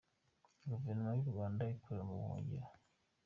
Gouvernement y’u Rwanda ikorera mu ubuhungiro